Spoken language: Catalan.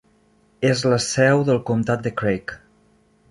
És la seu del comtat de Craig.